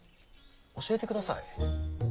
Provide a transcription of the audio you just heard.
教えてください。